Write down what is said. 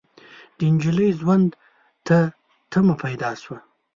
د نجلۍ ژوند ته تمه پيدا شوه.